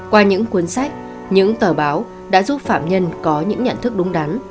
qua những cuốn sách những tờ báo đã giúp phạm nhân có những nhận thức đúng đắn